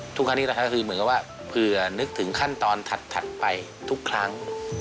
ทุกครั้งนี้นะครับคือเหมือนกับว่าเผื่อนึกถึงขั้นตอนถัดไปทุกครั้ง